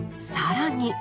更に。